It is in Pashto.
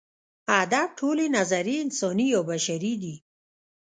ادب ټولې نظریې انساني یا بشري دي.